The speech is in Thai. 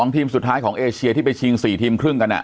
ทีมสุดท้ายของเอเชียที่ไปชิง๔ทีมครึ่งกัน